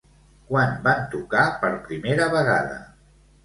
Quan van tocar per primera vegada?